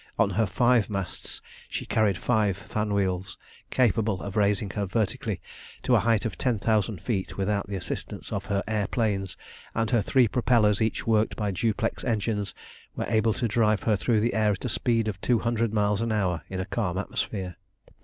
On her five masts she carried five fan wheels, capable of raising her vertically to a height of ten thousand feet without the assistance of her air planes, and her three propellers, each worked by duplex engines, were able to drive her through the air at a speed of two hundred miles an hour in a calm atmosphere.